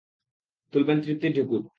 তুলবেন তৃপ্তির ঢেকুর।